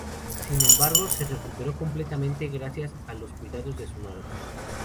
Sin embargo, se recuperó completamente gracias a los cuidados de su madre.